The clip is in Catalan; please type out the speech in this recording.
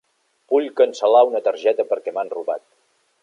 Vull cancel·lar una targeta perquè m'han robat.